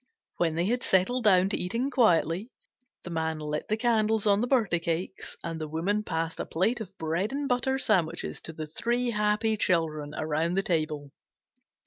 When they had settled down to eating quietly, the Man lighted the candles on the birthday cakes and the Woman passed a plate of bread and butter sandwiches to the three happy children around the table.